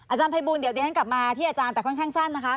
อาจารย์ภัยบูลเดี๋ยวเดี๋ยวให้กลับมาที่อาจารย์แปดข้อนแข้งสั้นนะคะ